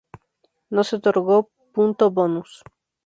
No se otorgó punto bonus.